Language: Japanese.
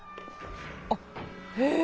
あっへえ！